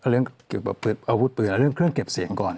เรื่องเกี่ยวกับอาวุธปืนและเรื่องเครื่องเก็บเสียงก่อน